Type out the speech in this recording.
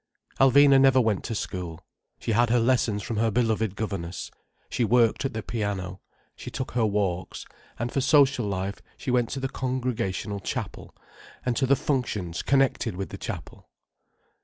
Alvina never went to school. She had her lessons from her beloved governess, she worked at the piano, she took her walks, and for social life she went to the Congregational Chapel, and to the functions connected with the chapel.